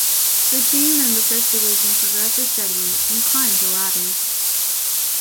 The team in the fifth division progresses steadily and climbs the ladders.